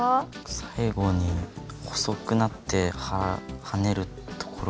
最後に細くなってはねるところが。